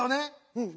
うん。